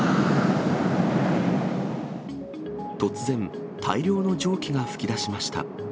突然、大量の蒸気が噴き出しました。